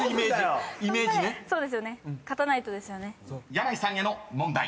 ［箭内さんへの問題］